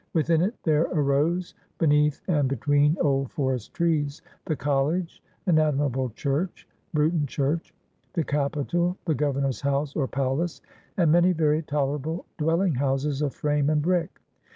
Within it there arose, beneath and between old forest trees, the college, an admirable church — Bruton Church — the capitol, the Governor's house or "palace," and many very tolerable dwelling houses of frame and brick.